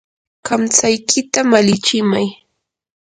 kamtsaykita malichimay.